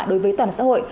đối với toàn xã hội